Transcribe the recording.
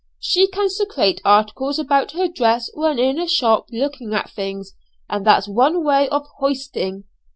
She can secrete articles about her dress when in a shop looking at things, and that's one way of 'hoisting.'